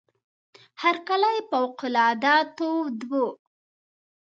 هرکلی فوق العاده تود وو.